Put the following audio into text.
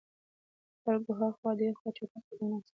خلکو هاخوا دیخوا چټګ قدمونه اخیستل.